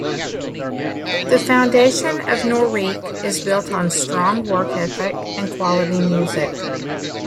The foundation of Noriq is built on strong work ethic and quality music.